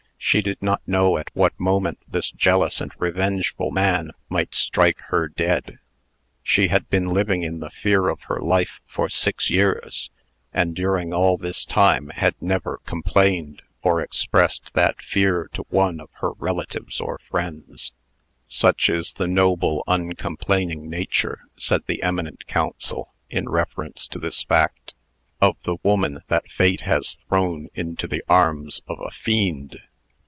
She did not know at what moment this jealous and revengeful man might strike her dead. She had been living in the fear of her life for six years, and, during all this time, had never complained, or expressed that fear to one of her relatives or friends. "Such is the noble, uncomplaining nature," said the eminent counsel, in reference to this fact, "of the woman that Fate has thrown into the arms of a fiend."